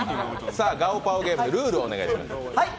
「ガオパオゲーム」のルールをお願いします。